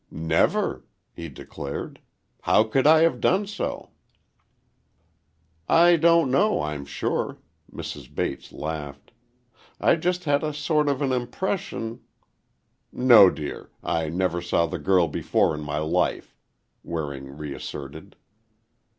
"Never," he declared. "How could I have done so?" "I don't know, I'm sure," Mrs. Bates laughed. "I just had a sort of an impression—" "No, dear, I never saw the girl before in my life," Waring reasserted.